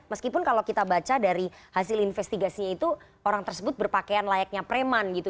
meskipun kalau kita baca dari hasil investigasinya itu orang tersebut berpakaian layaknya preman gitu